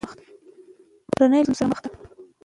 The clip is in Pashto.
کورنۍ له ستونزو سره مخ دي.